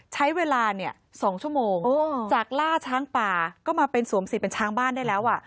ใช้เวลา๒ชั่วโมงจากล่าช้างป่าก็มาสวมสิตเป็นช้างบ้านได้แล้ว